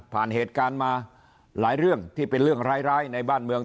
เหตุการณ์มาหลายเรื่องที่เป็นเรื่องร้ายในบ้านเมือง